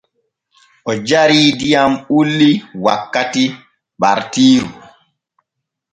O jarii diyam bulli wakkati ɓartiiru.